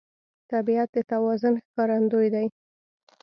طبیعت د توازن ښکارندوی دی.